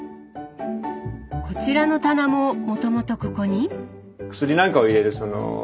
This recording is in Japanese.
こちらの棚ももともとここに？